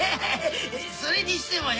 それにしてもよ